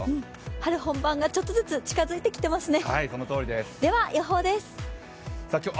春本番が少しずつ近づいてきていますね。